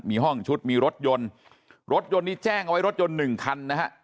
มีห้องชุดมีรถยนต์รถยนต์นี้แจ้งเอาไว้รถยนต์หนึ่งคันนะฮะ